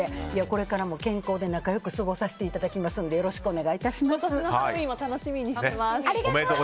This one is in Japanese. これからも健康で仲良く過ごさせていただきますので今年も楽しみにしてます。